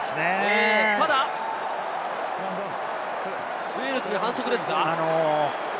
ただ、ウェールズに反則ですか？